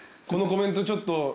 このコメントちょっと。